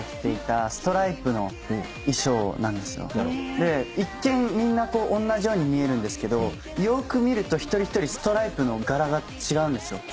で一見みんなおんなじように見えるんですけどよく見ると一人一人ストライプの柄が違うんですよ。